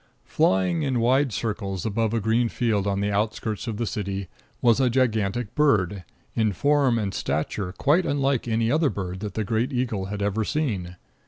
Flying in wide circles above a green field on the outskirts of the city was a gigantic bird, in form and stature quite unlike any other bird that the great eagle had ever seen.